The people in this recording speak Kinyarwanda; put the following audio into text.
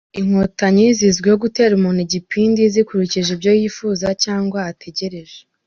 Inkotanyi zizwiho gutera umuntu igipindi zikurikije ibyo yifuza cyangwa ategereje.